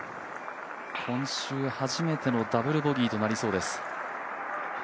今週初めてのダブルボギーとなりそうです。